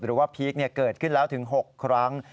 หรือว่าพีคเกิดขึ้นแล้วถึง๖ครั้ง